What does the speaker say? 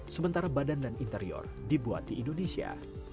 sementara badan dan interior dibuat di indonesia